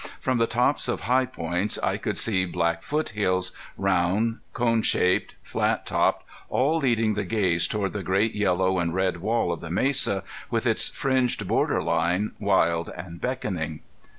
From the tops of high points I could see black foothills, round, cone shaped, flat topped, all leading the gaze toward the great yellow and red wall of the mesa, with its fringed borderline, wild and beckoning.